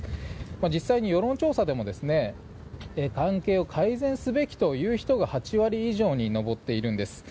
実際に世論調査でも関係を改善すべきという人が８割以上に上っているんです。